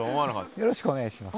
よろしくお願いします。